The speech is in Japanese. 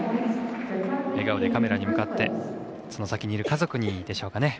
笑顔でカメラに向かってその先にいる家族にでしょうか。